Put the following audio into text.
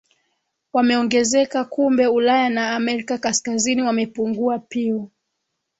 wameongezeka kumbe Ulaya na Amerika Kaskazini wamepungua Pew